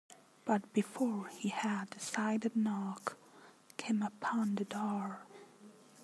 But before he had decided a knock came upon the door.